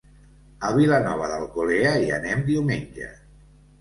A Vilanova d'Alcolea hi anem diumenge.